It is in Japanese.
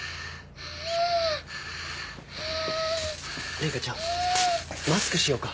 麗華ちゃんマスクしようか。